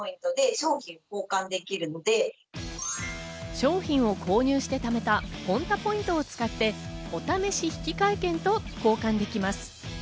商品を購入してためたＰｏｎｔａポイントを使って、お試し引換券と交換できます。